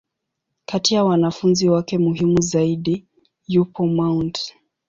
Kati ya wanafunzi wake muhimu zaidi, yupo Mt.